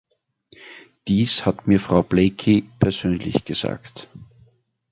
Dies hat mir Frau Blakey persönlich gesagt.